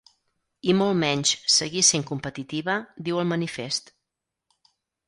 I molt menys, seguir sent competitiva, diu el manifest.